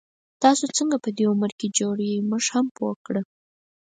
تاسو څنګه په دی عمر کي جوړ يې، مونږ هم پوه کړه